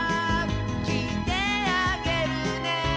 「きいてあげるね」